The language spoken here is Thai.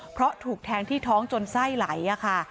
เพราะถูกแทงที่ท้องจนไส้ไหลค่ะ